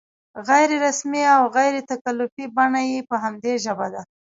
غیر رسمي او غیر تکلفي بڼه یې په همدې ژبه ده.